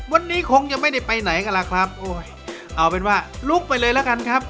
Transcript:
วันนี้คงยังไม่ได้ไปไหนกันล่ะครับโอ้ยเอาเป็นว่าลุกไปเลยแล้วกันครับ